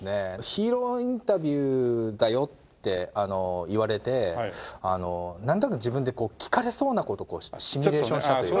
「ヒーローインタビューだよ」って言われてなんとなく自分で聞かれそうな事をシミュレーションしたというか。